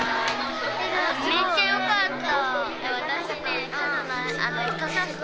めっちゃよかった。